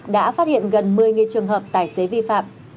đã phát hiện gần một mươi trường hợp tài xế vi phạm